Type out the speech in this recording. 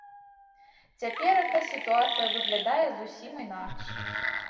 Цяперака сітуацыя выглядае зусім інакш.